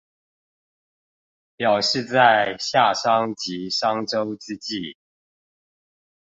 表示在夏商及商周之際